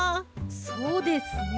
そうですね。